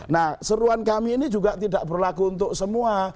nah seruan kami ini juga tidak berlaku untuk semua